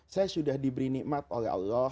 saya sudah diberi nikmat oleh allah